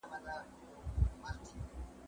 په کاروان کي سو روان د هوښیارانو